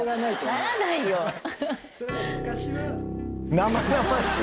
生々しい。